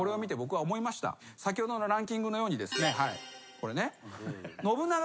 これね。